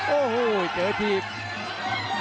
โอ้โหเจอถีบ